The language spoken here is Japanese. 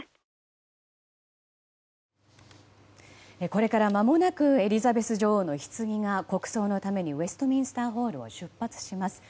これからまもなくエリザベス女王のひつぎが国葬のためにウェストミンスターホールを出発します。